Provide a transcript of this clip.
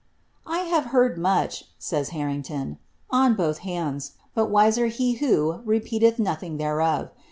'■ 1 have heard much," says Hanington, " on both hands, but wiser he who repeateih nothing thereof.